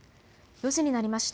４時になりました。